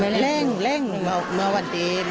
ไม่เล็งว่าใครด้วยครับ